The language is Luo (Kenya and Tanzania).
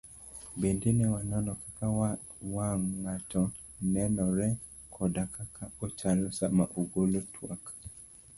Bende ne wanono kaka wang' ng'ato nenore koda kaka ochalo sama ogolo twak.